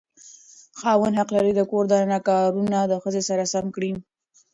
خاوند حق لري د کور دننه کارونه د ښځې سره سم کړي.